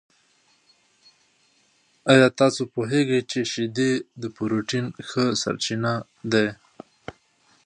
آیا تاسو پوهېږئ چې شیدې د پروټین ښه سرچینه دي؟